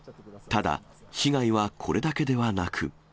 ただ、被害はこれだけではなく。